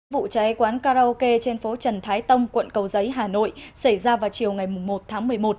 vụ cháy quán karaoke trên phố trần thái tông quận cầu giấy hà nội xảy ra vào chiều ngày một tháng một mươi một